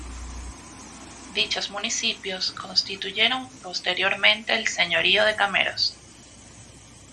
Dichos municipios constituyeron posteriormente el Señorío de Cameros.